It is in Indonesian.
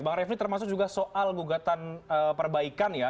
bang refli termasuk juga soal gugatan perbaikan ya